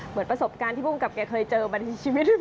เหมือนประสบการณ์ที่ภูมิกับแกเคยเจอบรรทีชีวิตด้วยพอ